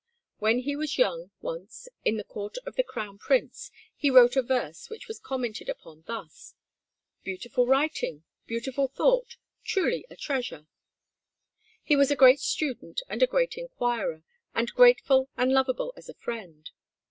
When he was young, once, in the Court of the Crown Prince, he wrote a verse which was commented upon thus: "Beautiful writing, beautiful thought; truly a treasure." He was a great student and a great inquirer, and grateful and lovable as a friend.